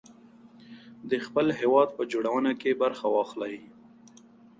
د خپل هېواد په جوړونه کې برخه واخلئ.